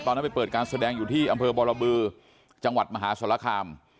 ไปเปิดการแสดงอยู่ที่อำเภอบรบือจังหวัดมหาสรคาม